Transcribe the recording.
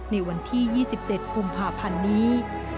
ในวันที่๒๗กุมภาพันธ์นี้